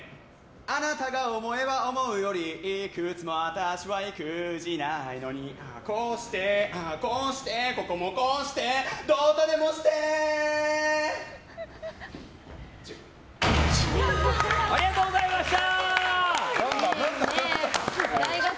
あなたが思えば思うよりいくつも私は意気地ないのにこうしてこうしてここもこうしてありがとうございました！